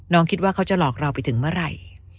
คิดว่าเขาจะหลอกเราไปถึงเมื่อไหร่